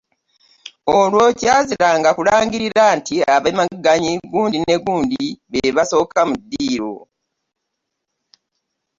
Olwo kyaziranga kulangirira nti abamegganyi gundi ne gundi be basooka mu ddiiro.